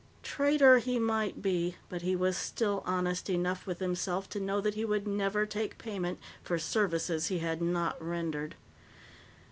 Traitor he might be, but he was still honest enough with himself to know that he would never take payment for services he had not rendered.